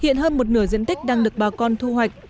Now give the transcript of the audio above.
hiện hơn một nửa diện tích đang được bà con thu hoạch